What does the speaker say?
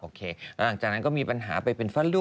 แล้วหลังจากนั้นก็มีปัญหาไป